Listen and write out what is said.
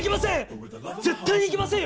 絶対行きません！